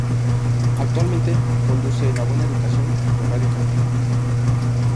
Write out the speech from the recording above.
Actualmente conduce "La buena educación" por Radio Capital.